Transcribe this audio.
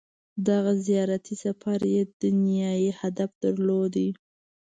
• دغه زیارتي سفر یې دنیايي هدف درلود.